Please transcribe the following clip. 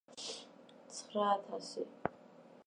ცხრაათასი